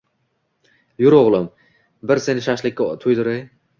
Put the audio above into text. – Yur o‘g‘lim, bir seni «shashlik»ka to‘ydiray